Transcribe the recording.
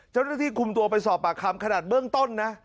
เจ้าหน้าที่คุมตัวไปสอบปากคำขนาดเบื้องต้นนะ